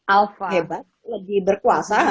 alfa lebih berkuasa